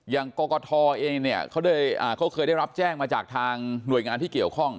กรกฐเองเนี่ยเขาเคยได้รับแจ้งมาจากทางหน่วยงานที่เกี่ยวข้อง